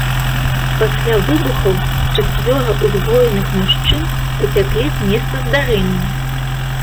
Пасля выбухаў чацвёра ўзброеных мужчын уцяклі з месца здарэння.